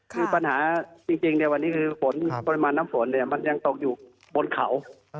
คือปัญหาจริงในวันนี้คือฝนปริมาณน้ำฝนมันยังตกอยู่บนเขา